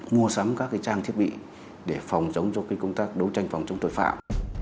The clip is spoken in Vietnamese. mua sắm các trang thiết bị để phòng giống như công tác đấu tranh phòng chống tội phạm